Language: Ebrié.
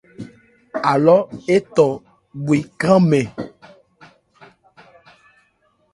Alɔ étɔ bhwe nkranmɛn.